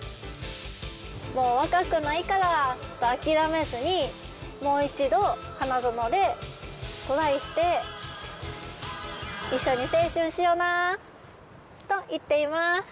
もう若くないからと諦めずに、もう一度花園でトライして、一緒に青春しようなぁ！と言っています。